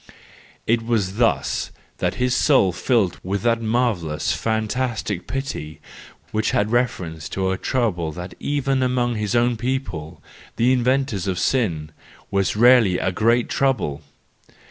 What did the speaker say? It was thus that his soul filled with that marvellous, fantastic pity which had reference to a trouble that even among his own people, the inventors of sin, was rarely a great trouble!